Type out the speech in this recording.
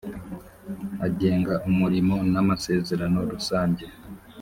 agenga umurimo n amasezerano rusange